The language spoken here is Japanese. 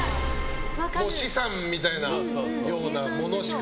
資産みたいなものしか。